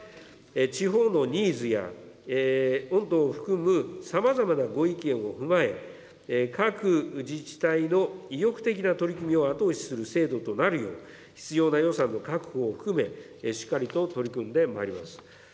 地方のニーズや御党を含むさまざまなご意見を踏まえ、各自治体の意欲的な取り組みを後押しする制度となるよう、必要な予算の確保を含めしっかりと取り組んでまいります。